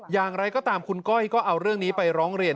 อย่างไรก็ตามคุณก้อยก็เอาเรื่องนี้ไปร้องเรียน